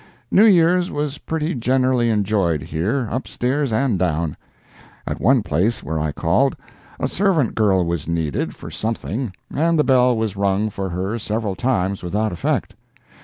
New Year's was pretty generally enjoyed here, up stairs and down. At one place where I called, a servant girl was needed, for something, and the bell was rung for her several times without effect.